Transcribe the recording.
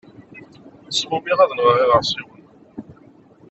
Smumiɣ ad nɣeɣ iɣersiwen.